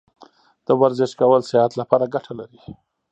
د ورزش کول صحت لپاره ګټه لري.